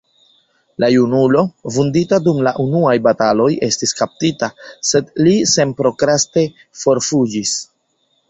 La junulo, vundita dum la unuaj bataloj, estis kaptita, sed li senprokraste forfuĝis.